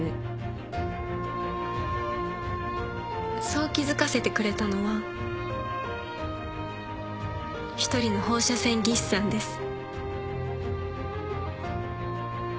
そう気付かせてくれたのは一人の放射線技師さんです。